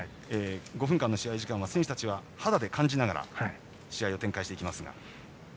５分間の試合時間は選手たちは肌で感じながら試合を展開していきますが。